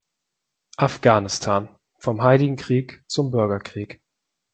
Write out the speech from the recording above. „Afghanistan: Vom Heiligen Krieg zum Bürgerkrieg“.